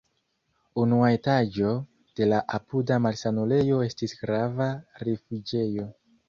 Unua etaĝo de la apuda malsanulejo estis grava rifuĝejo.